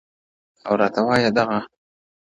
• او راته وايي دغه،